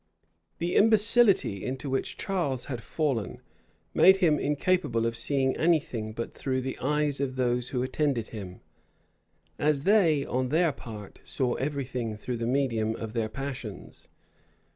The imbecility into which Charles had fallen, made him incapable of seeing any thing but through the eyes of those who attended him; as they, on their part, saw every thing through the medium of their passions.